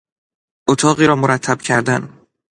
اتاقی را مرتب کردن